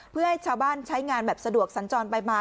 เพื่อให้ชาวบ้านใช้งานแบบสะดวกสัญจรไปมา